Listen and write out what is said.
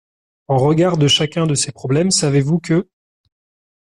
En regard de chacun de ces problèmes, savez-vous que: